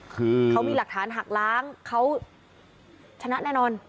คือเขามีหลักฐานหักล้างเขาชนะแน่นอน